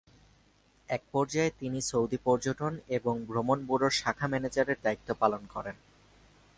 একপর্যায়ে তিনি সৌদি পর্যটন এবং ভ্রমণ ব্যুরোর শাখা ম্যানেজারের দায়িত্ব পালন করেন।